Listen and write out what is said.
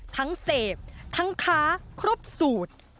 เสพทั้งค้าครบสูตร